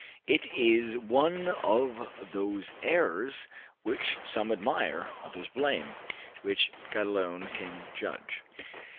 It is one of those errors which some admire, others blame; which God alone can judge.